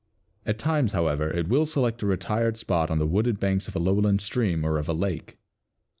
At times, however, it will select a retired spot on the wooded banks of a lowland stream or of a lake.